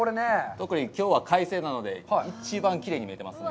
特にきょうは快晴なので、一番きれいに見えていますね。